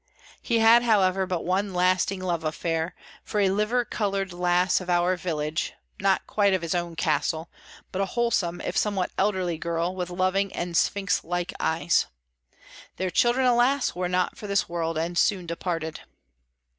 He had, however, but one lasting love affair, for a liver coloured lass of our village, not quite of his own caste, but a wholesome if somewhat elderly girl, with loving and sphinx like eyes. Their children, alas, were not for this world, and soon departed.